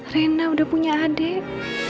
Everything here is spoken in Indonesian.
rena udah punya adik